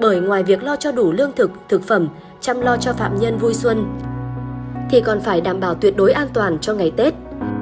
bởi ngoài việc lo cho đủ lương thực thực phẩm chăm lo cho phạm nhân vui xuân thì còn phải đảm bảo tuyệt đối an toàn cho ngày tết